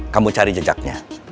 kamu cari jejaknya